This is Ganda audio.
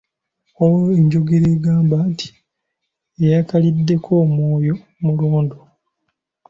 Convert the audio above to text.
Waliwo n'enjogera egamba nti, "Eyakaliddeko omwoyo mulondo".